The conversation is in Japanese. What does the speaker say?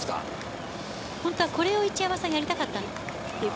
本当はこれを一山さんがやりたかった。